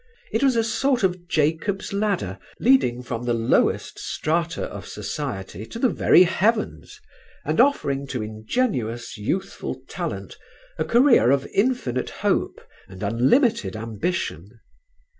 It was a sort of "Jacob's Ladder" leading from the lowest strata of society to the very heavens and offering to ingenuous, youthful talent a career of infinite hope and unlimited ambition.